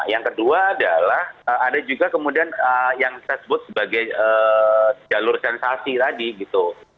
yang kedua adalah ada juga kemudian yang saya sebut sebagai jalur sensasi tadi gitu